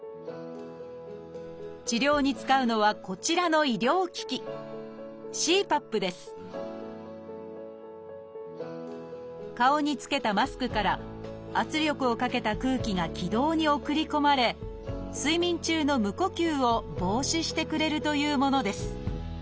治療に使うのはこちらの医療機器顔に着けたマスクから圧力をかけた空気が気道に送り込まれ睡眠中の無呼吸を防止してくれるというものです。